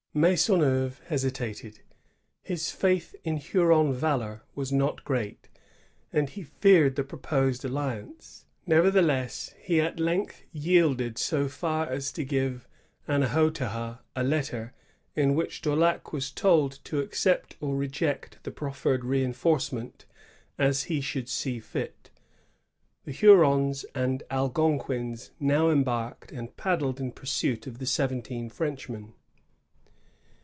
Maisonneuve hesi tated. His faith in Huron valor was not great, and he feared the proposed' alliance. Nevertheless, he at length yielded so far as to give Annahotaha a letter, in which Daulao was told to accept or reject the proffered reinforcement as he should see fit. The Hurons and Algonquins now embarked, and paddled in pursuit of the seventeen Frenchmen.